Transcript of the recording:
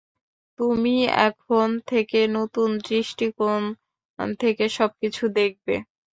তুমি এখন থেকে নতুন দৃষ্টিকোণ থেকে সবকিছু দেখবে।